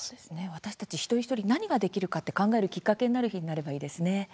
私たち一人一人何ができるかって考えるきっかけになる日になればいいですね。